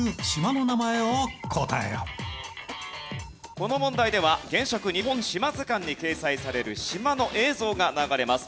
この問題では『原色日本島図鑑』に掲載される島の映像が流れます。